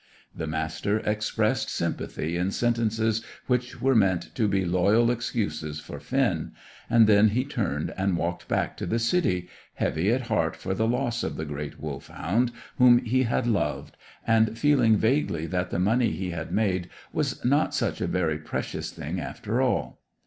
The Master expressed sympathy in sentences which were meant to be loyal excuses for Finn; and then he turned and walked back to the city, heavy at heart for the loss of the great Wolfhound whom he had loved, and feeling vaguely that the money he had made was not such a very precious thing after all.